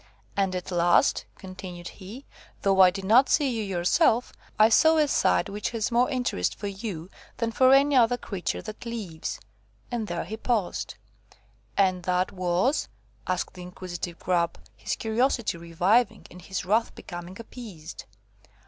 "And at last," continued he, "though I did not see you yourself, I saw a sight which has more interest for you, than for any other creature that lives," and there he paused. "And that was?" asked the inquisitive Grub, his curiosity reviving, and his wrath becoming appeased.